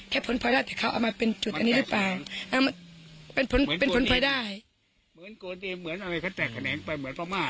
แค่ผลพลอยด้าแต่เขาเอามาเป็นจุดอันนี้หรือเปล่าเป็นผลพลอยด้า